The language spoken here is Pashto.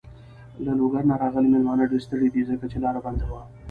له لوګر نه راغلی مېلمانه ډېر ستړی دی. ځکه چې لاره بنده وه.